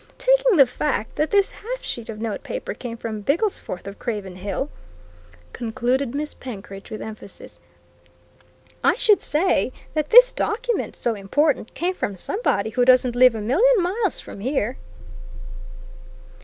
Taking the fact that this half sheet of notepaper came from Bigglesforth's, of Craven Hill," concluded Miss Penkridge with emphasis, "I should say that this document so important came from somebody who doesn't live a million miles from here!"